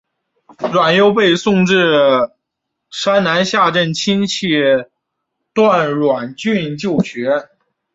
阮攸被送至山南下镇亲戚段阮俊就学。